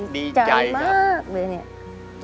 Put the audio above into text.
ดีใจมาก